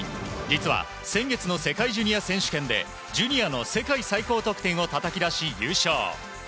実は先月の世界ジュニア選手権でジュニアの世界最高得点をたたき出し優勝。